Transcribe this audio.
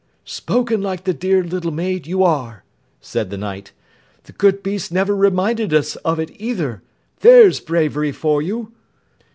"Spoken like the dear little Maid you are," said the Knight. "The good beast never reminded us of it, either. There's bravery for you!"